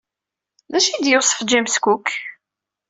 D acu ay d-yewṣef James Cook?